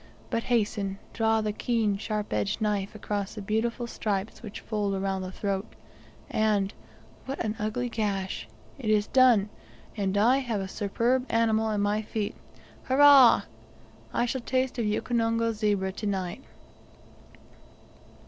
but, hasten, draw the keen sharp edged knife across the beautiful stripes which fold around the throat; and what an ugly gash! it is done, and 1 have a superb animal at my feet. Hurrah! I shall taste of Ukonongo zebra to night.